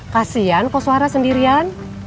kasian kok suara sendirian